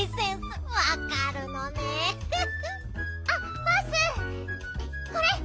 あっバースこれ！